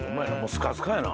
スカスカやな。